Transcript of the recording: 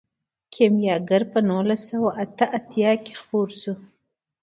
کیمیاګر په نولس سوه اته اتیا کې خپور شو.